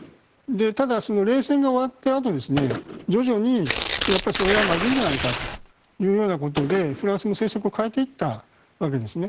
ただ、冷戦が終わったあと徐々にそれはまずいんじゃないかということでフランスも政策を変えていったわけですね。